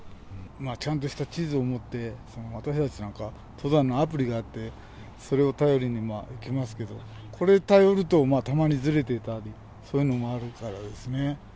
ちゃんとした地図を持って、私たちなんか、登山のアプリがあって、それを頼りに来ますけど、これ頼ると、たまにずれてたり、そういうのもあるからですね。